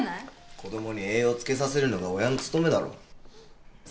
子供に栄養つけさせるのが親の務めだろ。